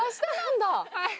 はい。